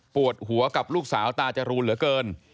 ปวดหัวกับลูกสาวตาจรูนเหลือเกิน